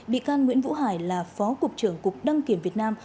bị can nguyễn vũ hải là phó cục trưởng cục đăng kiểm việt nam